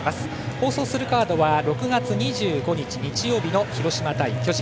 放送するカードは６月２５日、日曜日の広島対巨人。